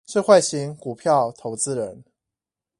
智慧型股票投資人